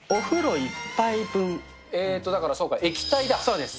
えーと、だからそうだ、そうです。